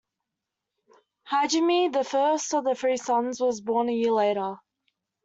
Hajime, the first of their three sons, was born a year later.